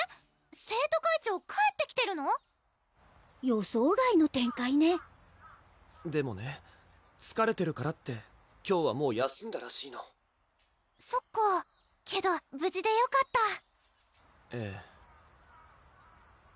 予想外の展開ねでもねつかれてるからって今日はもう休んだらしいのそっかけど無事でよかったええ